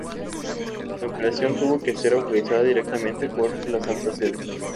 La operación tuvo que ser autorizada directamente por la Santa Sede.